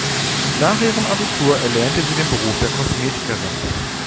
Nach ihrem Abitur erlernte sie den Beruf der Kosmetikerin.